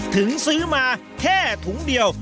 ถึงซื้อมาแค่ถุงเดียว